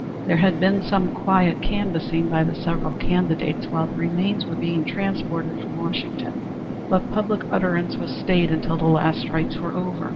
There had been some quiet canvassing by the several candidates while the remains were being transported from Washington, but public utterance was stayed until the last rites were over.